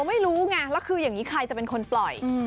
ไม่รู้ไงแล้วคืออย่างนี้ใครจะเป็นคนปล่อย